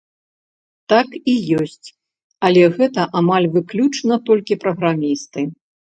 Так і ёсць, але гэта амаль выключна толькі праграмісты.